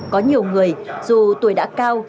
có nhiều người dù tuổi đã cao